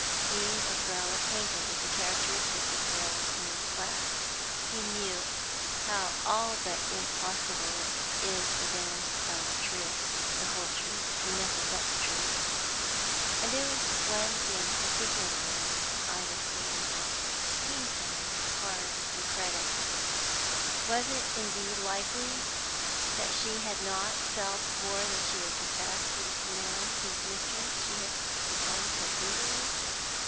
He was well acquainted with the characteristics of girls of this class; he knew how all but impossible it is for them to tell the truth, the whole truth, and nothing but the truth. And there was one thing particularly in Ida's story that he found hard to credit; was it indeed likely that she had not felt more than she would confess for this man whose mistress she became so easily?